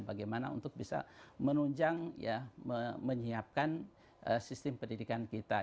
bagaimana untuk bisa menunjang ya menyiapkan sistem pendidikan kita